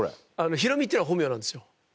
ひろみっていうのは本名なんですよ。